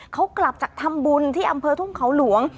เขากลับจากทำบุญที่อำเภอทุ่งเขาหลวง